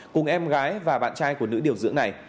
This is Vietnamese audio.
cùng em gái và bạn trai của nữ điều dưỡng này